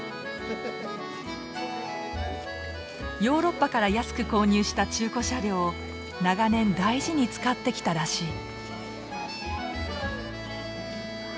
ヨーロッパから安く購入した中古車両を長年大事に使ってきたらしい。